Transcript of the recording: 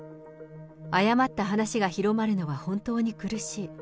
誤った話が広まるのは本当に苦しい。